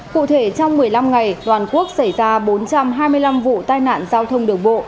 cụ thể trong một mươi năm ngày toàn quốc xảy ra bốn trăm hai mươi năm vụ tai nạn giao thông đường bộ